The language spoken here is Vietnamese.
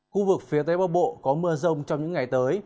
khu vực phía tây bắc bộ có mưa rông trong những ngày tới